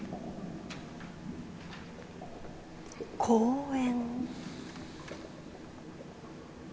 公園。